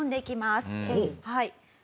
はい。